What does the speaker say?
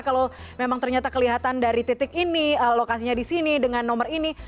kalau memang ternyata kelihatan dari titik ini lokasinya di sini dengan nomor ini